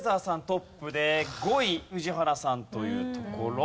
トップで５位宇治原さんというところ。